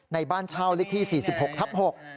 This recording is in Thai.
ในบ้านเช่าหลิกที่๔๖ทับ๖